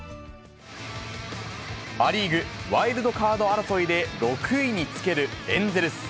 ア・リーグ、ワイルドカード争いで６位につけるエンゼルス。